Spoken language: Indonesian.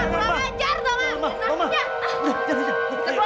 kurang ajar toh